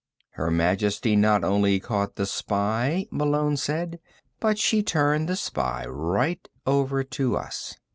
"Her Majesty not only caught the spy," Malone said, "but she turned the spy right over to us."